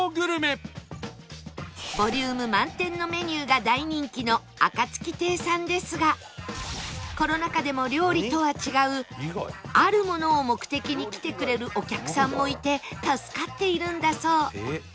ボリューム満点のメニューが大人気の暁亭さんですがコロナ禍でも料理とは違うあるものを目的に来てくれるお客さんもいて助かっているんだそう